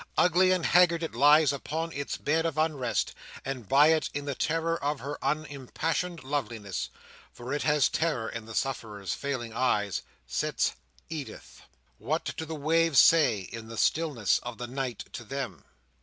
Ugly and haggard it lies upon its bed of unrest; and by it, in the terror of her unimpassioned loveliness—for it has terror in the sufferer's failing eyes—sits Edith. What do the waves say, in the stillness of the night, to them?